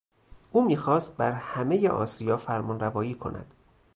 او میخواست بر همهی آسیا فرمانروایی کند.